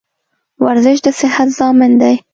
ورزش د صحت ضامن دی